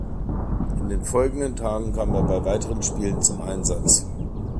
In den folgenden Tagen kam er bei weiteren Spielen zum Einsatz.